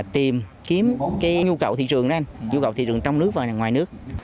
tìm kiếm cái nhu cầu thị trường đó anh nhu cầu thị trường trong nước và ngoài nước